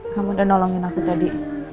kamu udah nolongin aku tadi